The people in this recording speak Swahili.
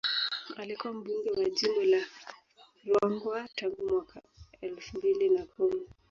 Alikuwa mbunge wa jimbo la Ruangwa tangu mwaka elfu mbili na kumi